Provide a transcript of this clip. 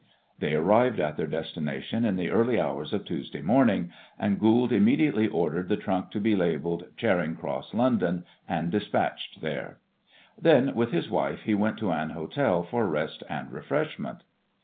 They arrived at their destination in the early hours of Tuesday morning, and Goold immediately ordered the trunk to be labelled "Charing Cross, London," and despatched there. Then with his wife he went to an hotel for rest and refreshment.